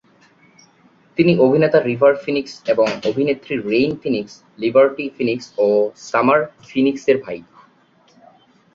তিনি অভিনেতা River Phoenix এবং অভিনেত্রী রেইন ফিনিক্স, লিবার্টি ফিনিক্স ও সামার ফিনিক্সের ভাই।